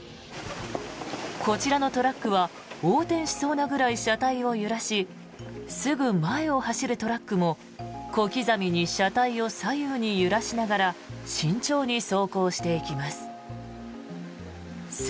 こちらのトラックは横転しそうなくらい車体を揺らしすぐ前を走るトラックも小刻みに車体を左右に揺らしながら慎重に走行していきます。